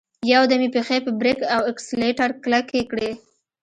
يودم يې پښې په بريک او اکسلېټر کلکې کړې.